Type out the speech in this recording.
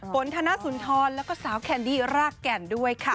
ฝนธนสุนทรแล้วก็สาวแคนดี้รากแก่นด้วยค่ะ